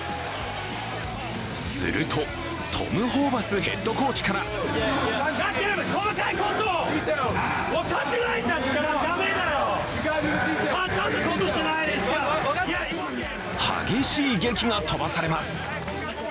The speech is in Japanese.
すると、トム・ホーバスヘッドコーチから激しいげきが飛ばされます。